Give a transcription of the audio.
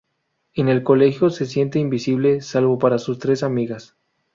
En el colegio se siente invisible, salvo para sus tres amigas.